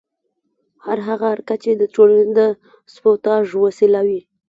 هر هغه حرکت چې د ټولنې د سبوټاژ وسیله وي.